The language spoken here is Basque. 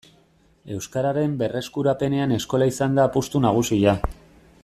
Euskararen berreskurapenean eskola izan da apustu nagusia.